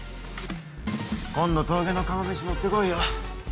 今度「峠の釜めし」持って来いよ。